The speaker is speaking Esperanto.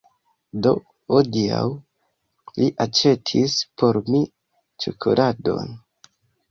Do, hodiaŭ li aĉetis por mi ĉokoladon